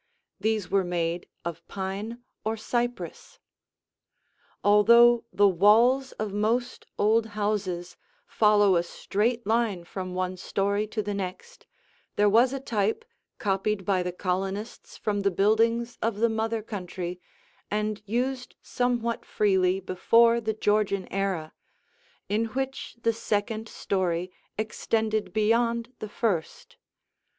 These were made of pine or cypress. Although the walls of most old houses follow a straight line from one story to the next, there was a type, copied by the colonists from the buildings of the mother country and used somewhat freely before the Georgian era, in which the second story extended beyond the first.